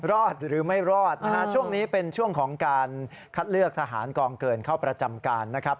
รอดหรือไม่รอดนะฮะช่วงนี้เป็นช่วงของการคัดเลือกทหารกองเกินเข้าประจำการนะครับ